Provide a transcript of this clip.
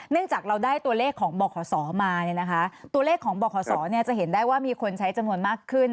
เนื่องจากเราได้ตัวเลขของบอกขอสอมาเนี่ยนะคะตัวเลขของบอกขอสอเนี่ยจะเห็นได้ว่ามีคนใช้จำนวนมากขึ้น